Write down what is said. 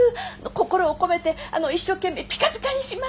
心を込めて一生懸命ピカピカにします！